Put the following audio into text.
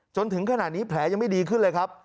จนถึงขณะนี้แผลยังไม่ดีขึ้นเลยครับ